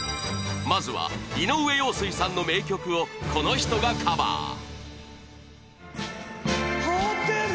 まずは井上陽水さんの名曲をこの人がカバー。